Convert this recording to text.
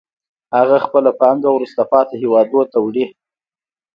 هغه خپله پانګه وروسته پاتې هېوادونو ته وړي